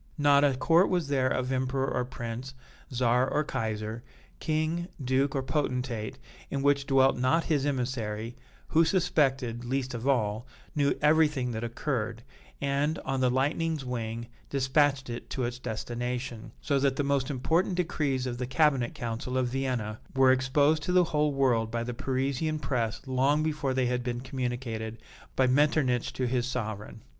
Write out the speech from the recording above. Not a court was there of emperor or prince, czar or kaiser, king, duke or potentate in which dwelt not his emissary, who suspected, least of all, knew everything that occurred, and, on the lightning's wing, dispatched it to its destination, so that the most important decrees of the cabinet council of Vienna were exposed to the whole world by the Parisian press long before they had been communicated by Metternich to his sovereign.